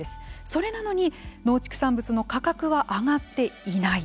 それなのに農畜産物の価格は上がっていない。